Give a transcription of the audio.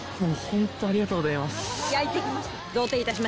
ありがとうございます。